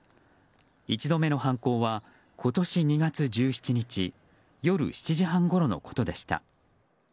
１度目の犯行は今年２月１７日夜７時半ごろのことでした。